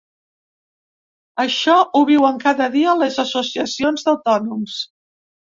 Això ho viuen cada dia les associacions d’autònoms.